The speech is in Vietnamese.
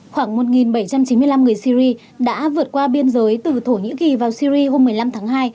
khoảng một bảy trăm chín mươi năm người syri đã vượt qua biên giới từ thổ nhĩ kỳ vào syri hôm một mươi năm tháng hai